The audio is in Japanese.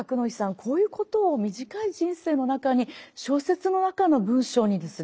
こういうことを短い人生の中に小説の中の文章にですね